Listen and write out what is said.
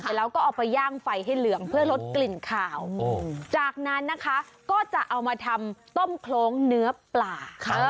แล้วก็เอาไปย่างไฟให้เหลืองเพื่อลดกลิ่นขาวจากนั้นนะคะก็จะเอามาทำต้มโครงเนื้อปลา